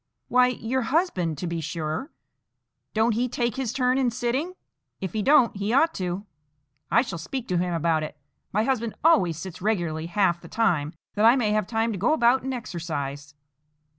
"Why, your husband, to be sure; don't he take his turn in sitting? If he don't, he ought to. I shall speak to him about it. My husband always sits regularly half the time, that I may have time to go about and exercise."